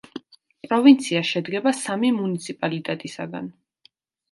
პროვინცია შედგება სამი მუნიციპალიტეტისაგან.